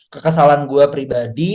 kekesalan gue pribadi